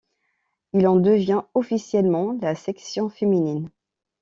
Il en devient officiellement la section féminine.